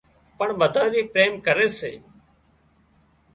پڻ ٻڌانئين ٿي پريم ڪري سي